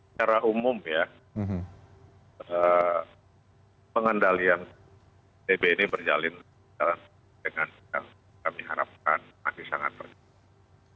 secara umum ya pengendalian tb ini berjalan dengan yang kami harapkan masih sangat terjaga